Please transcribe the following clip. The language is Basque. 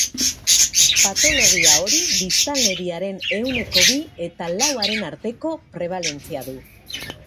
Patologia hori biztanleriaren ehuneko bi eta lauaren arteko prebalentzia du.